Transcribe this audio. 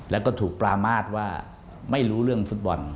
แล้วก็ถูกปรามาทว่าไม่รู้เรื่องฟุตบอล